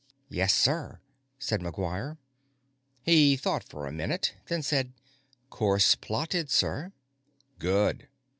"Yes, sir," said McGuire. He thought for a minute, then said: "Course plotted, sir." "Good."